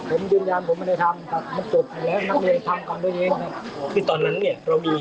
ผมยืนยันผมไม่ได้ทำและนักเรียนทำกันด้วยเองนะครับคือตอนนั้นเนี้ยเรามี